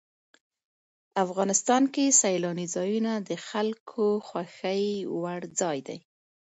افغانستان کې سیلاني ځایونه د خلکو خوښې وړ ځای دی.